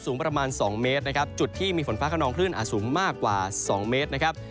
สูงประมาณ๒เมตรนะครับจุดที่มีฝนฟ้าขนองคลื่นอาจสูงมากกว่า๒เมตรนะครับ